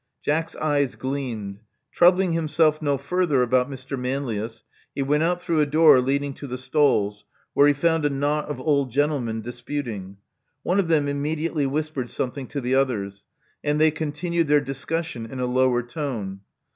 Jack's eyes gleamed. Troubling himself no further about Mr. Manlius, he went out through a door leading to the stalls, where he found a knot of old gentlemen disputing. One of them immediately whispered something to the others: and they continued their discussion in a lower tone.